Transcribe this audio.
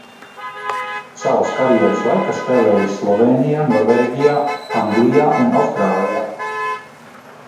Savas karjeras laikā spēlējis Slovēnijā, Norvēģijā, Anglijā un Austrālijā.